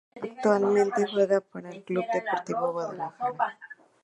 Actualmente juega para el Club Deportivo Guadalajara.